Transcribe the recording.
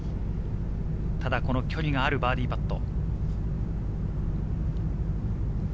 ただこの距離があるバーディーパット。